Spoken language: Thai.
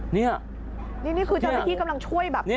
นี่นี่คือเจ้าหน้าที่กำลังช่วยแบบนี้